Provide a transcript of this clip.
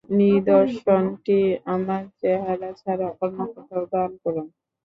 নিদর্শনটি আমার চেহারা ছাড়া অন্য কোথাও দান করুন।